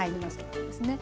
そうですね。